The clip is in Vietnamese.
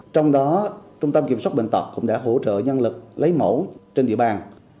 trong đó trung tâm kiểm soát bệnh tật cũng đã hỗ trợ nhân lực lấy mẫu trên địa bàn